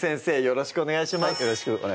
よろしくお願いします